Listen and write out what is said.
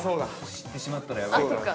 ◆知ってしまったらやばいから。